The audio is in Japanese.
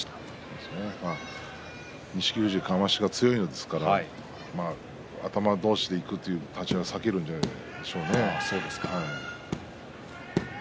富士はかましが強いですから頭同士でいく立ち合いは避けるんでしょうね。